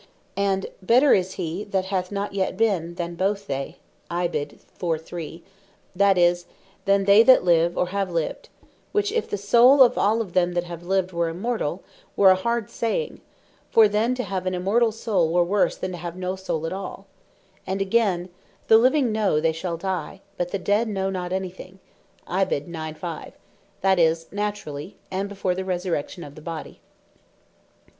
And (chap. 4. ver.3.) "Better is he that hath not yet been, than both they;" that is, than they that live, or have lived; which, if the Soule of all them that have lived, were Immortall, were a hard saying; for then to have an Immortall Soule, were worse than to have no Soule at all. And againe,(Chapt. 9.5.) "The living know they shall die, but the dead know not any thing;" that is, Naturally, and before the resurrection of the body.